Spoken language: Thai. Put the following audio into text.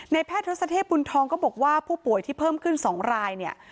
แพทย์ทศเทพบุญทองก็บอกว่าผู้ป่วยที่เพิ่มขึ้น๒รายเนี่ย